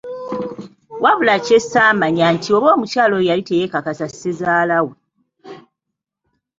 Wabula kye ssaamanya nti oba omukyala oyo yali teyeekakasa Ssezaalawe!